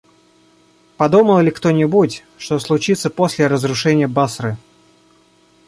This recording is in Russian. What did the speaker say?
Подумал ли кто-нибудь, что случится после разрушения Басры?